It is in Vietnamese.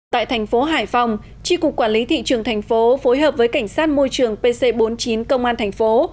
tại thành phố hải phòng tri cục quản lý thị trường thành phố phối hợp với cảnh sát môi trường pc bốn mươi chín công an thành phố